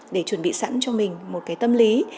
để chuẩn bị sẵn cho mình một cái tâm lý